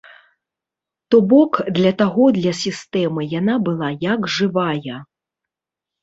То бок, да таго для сістэмы яна была як жывая!